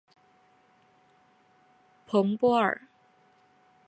蓬波尔。